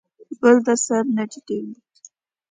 بل ته سر نه ټیټوي.